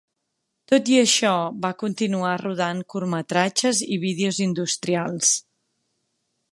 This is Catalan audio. Tot i això, va continuar rodant curtmetratges i vídeos industrials.